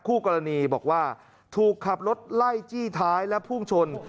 คู่กรณีบอกว่าถูกขับรถไล่จี้ท้ายและพุ่งชน